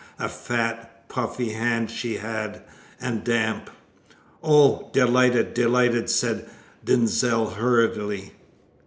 A fat, puffy hand she had, and damp. "Oh, delighted! delighted!" said Denzil hurriedly.